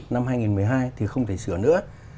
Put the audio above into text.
năm hai nghìn một mươi hai thì không thể sửa nữa